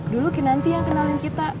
dulu kinanti yang kenalin kita